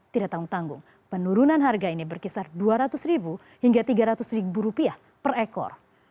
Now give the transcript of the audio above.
tidak tanggung tanggung penurunan harga ini berkisar dua ratus ribu hingga tiga ratus ribu rupiah per ekor